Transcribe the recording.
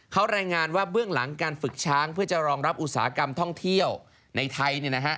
เขารายงานว่าเบื้องหลังการฝึกช้างเพื่อจะรองรับอุตสาหกรรมท่องเที่ยวในไทย